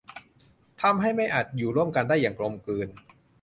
ทำให้ไม่อาจจะอยู่ร่วมได้อย่างกลมกลืน